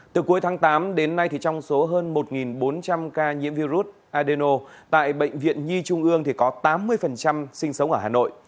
từ cuối tháng tám đến nay trong số hơn một bốn trăm linh ca nhiễm virus adeno tại bệnh viện nhi trung ương thì có tám mươi sinh sống ở hà nội